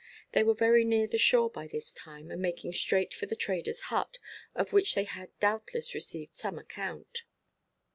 They were very near the shore by this time, and making straight for the traderʼs hut, of which they had doubtless received some account.